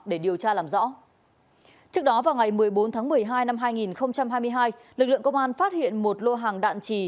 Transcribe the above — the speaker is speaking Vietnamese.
để điều tra làm rõ trước đó vào ngày một mươi bốn tháng một mươi hai năm hai nghìn hai mươi hai lực lượng công an phát hiện một lô hàng đạn trì